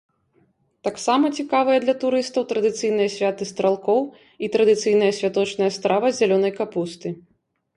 Таксама цікавыя для турыстаў традыцыйныя святы стралкоў і традыцыйная святочная страва з зялёнай капусты.